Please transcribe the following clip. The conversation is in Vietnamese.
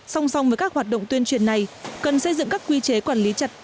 song song với các hoạt động tuyên truyền này cần xây dựng các quy chế quản lý chặt chẽ